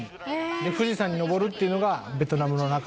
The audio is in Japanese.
「で富士山に登るっていうのがベトナムの中での」